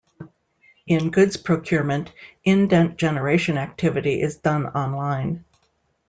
In goods procurement, indent generation activity is done online.